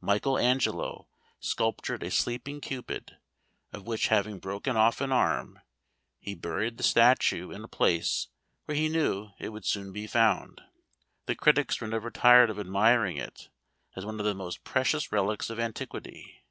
Michael Angelo sculptured a sleeping Cupid, of which having broken off an arm, he buried the statue in a place where he knew it would soon be found. The critics were never tired of admiring it, as one of the most precious relics of antiquity.